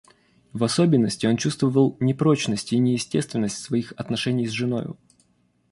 В особенности он чувствовал непрочность и неестественность своих отношений с женою.